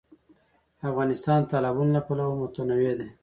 افغانستان د تالابونه له پلوه متنوع دی.